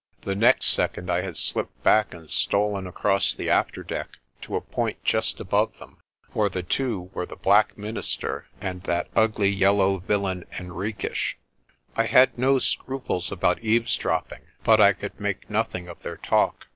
The next second I had slipped back and stolen across the after deck to a point just above them. For the two were the black minister and that ugly yellow villain, Henriques. I had no scruples about eavesdropping, but I could make nothing of their talk.